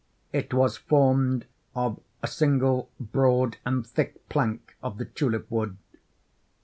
It was formed of a single, broad and thick plank of the tulip wood.